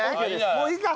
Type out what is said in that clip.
もういいか？